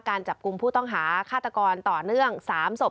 การจับกลุ่มผู้ต้องหาฆาตกรต่อเนื่อง๓ศพ